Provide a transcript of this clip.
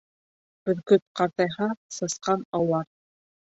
Бөркөт ҡартайһа, сысҡан аулар.